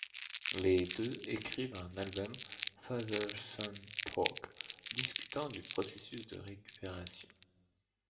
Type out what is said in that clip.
Les deux écrivent un album, Father-Son Talk, discutant du processus de récupération.